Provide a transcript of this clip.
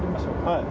はい。